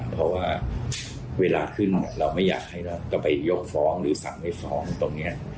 เพราะว่าเวลาขึ้นเราไม่อยากให้ต้องไปยกฟ้องหรือสั่งไม่ฟ้องตรงนี้